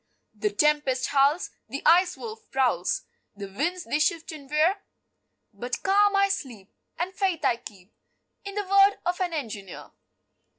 The tempest howls, The Ice Wolf prowls, The winds they shift and veer, But calm I sleep, And faith I keep In the word of an engineer.